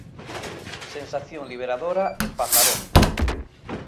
Sensación liberadora en Pasarón.